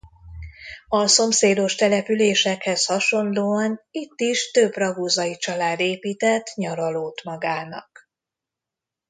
A szomszédos településekhez hasonlóan itt is több raguzai család épített nyaralót magának.